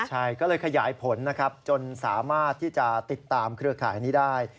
ใช่ก็เลยขยายผลนะครับจนสามารถที่จะติดตามเครือข่ายนี้ได้